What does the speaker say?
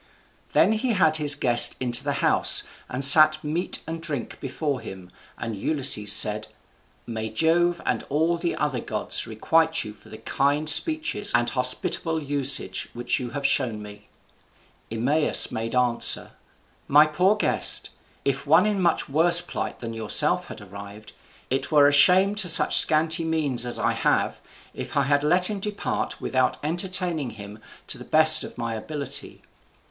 Then he had his guest into the house, and sat meat and drink before him; and Ulysses said, "May Jove and all the other gods requite you for the kind speeches and hospitable usage which you have shown me!" Eumaeus made answer, "My poor guest, if one in much worse plight than yourself had arrived here, it were a shame to such scanty means as I have if I had let him depart without entertaining him to the best of my ability.